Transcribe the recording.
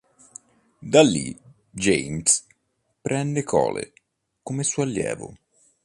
Da lì, James prende Cole come suo allievo.